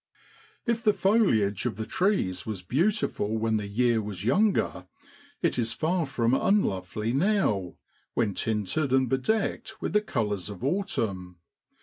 If the foliage of the trees was beautiful when the year was younger, it is far from unlovely now, when tinted and bedecked with the colours of autumn.